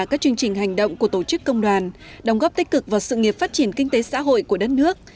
các chương trình hành động của tổ chức công đoàn đồng góp tích cực vào sự nghiệp phát triển kinh tế xã hội của đất nước